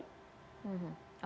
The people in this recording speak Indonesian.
jadi itu yang bisa langsung dikirim